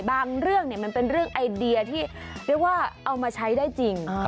เรื่องมันเป็นเรื่องไอเดียที่เรียกว่าเอามาใช้ได้จริง